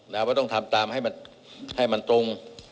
แล้วต้องทำตามให้มันตรง